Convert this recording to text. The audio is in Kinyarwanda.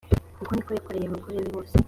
uko ni ko yakoreye abagore be bose